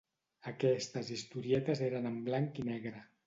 Aquestes historietes eren en blanc i negre.